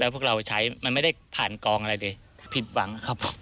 พวกเราใช้มันไม่ได้ผ่านกองอะไรเลยผิดหวังครับ